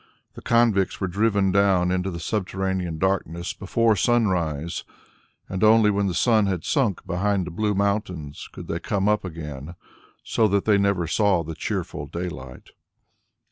The convicts were driven down into the subterranean darkness before sunrise, and only when the sun had sunk behind the blue mountains could they come up again, so that they never saw the cheerful daylight.